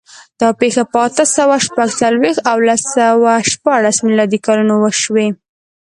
دا پېښې په اته سوه شپږ څلوېښت او لس سوه شپاړس میلادي کلونو وشوې.